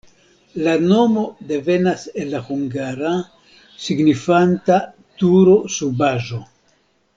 La nomo devenas el la hungara, signifanta turo-subaĵo.